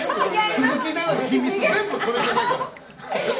鈴木奈々の秘密全部それじゃないから！